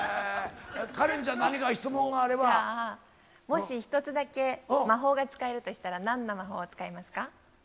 じゃあ、もし１つだけ魔法が使えるとしたら、なんの魔法を使いますか？